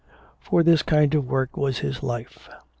For this kind of work was his life.